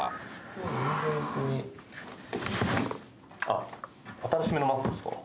「あっ新しめのＭａｃですか？」